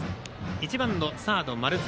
１番のサード、丸次。